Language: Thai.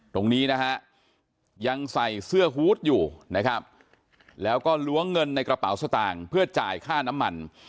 ตรงนี้นะฮะยังใส่เสื้อฮูตอยู่นะครับแล้วก็ล้วงเงินในกระเป๋าสตางค์เพื่อจ่ายค่าน้ำมัน